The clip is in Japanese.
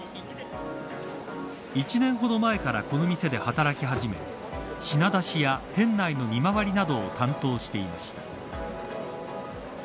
１年ほど前からこの店で働き始め品出しや、店内の見回りなどを担当していました。